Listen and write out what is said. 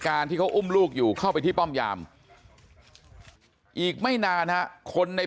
ที่เขาอุ้มลูกอยู่เข้าไปที่ป้อมยามอีกไม่นานฮะคนใน